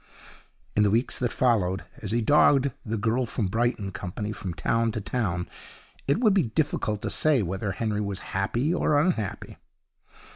In the weeks that followed, as he dogged 'The Girl From Brighton' company from town to town, it would be difficult to say whether Henry was happy or unhappy.